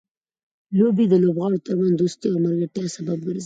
لوبې د لوبغاړو ترمنځ دوستۍ او ملګرتیا سبب ګرځي.